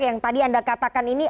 yang tadi anda katakan ini